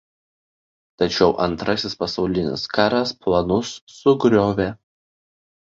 Tačiau Antrasis pasaulinis karas planus sugriovė.